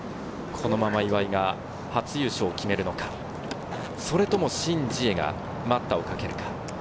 このまま岩井が初優勝を決めるのか、それともシン・ジエが待ったをかけるか？